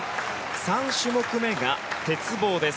３種目めが鉄棒です。